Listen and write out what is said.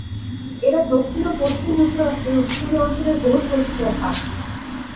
এরা দক্ষিণ ও পশ্চিম যুক্তরাষ্ট্রের উপকূলীয় অঞ্চলের বহুল পরিচিত এক পাখি।